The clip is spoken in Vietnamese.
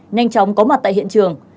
nhanh chóng có mặt tại hiện trường